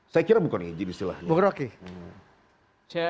saya kira bukan izin istilahnya